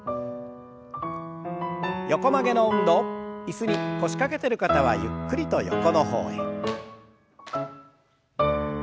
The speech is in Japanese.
椅子に腰掛けてる方はゆっくりと横の方へ。